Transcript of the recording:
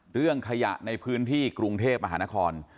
เรื่องขยะในพื้นที่กรุงเทพธ์อาหาราคอน